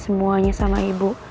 semuanya sama ibu